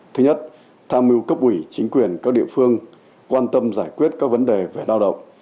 thứ nhất tham mưu cấp ủy chính quyền các địa phương quan tâm giải quyết các vấn đề về lao động